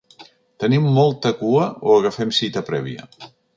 Teniu molta cua o agafem cita prèvia?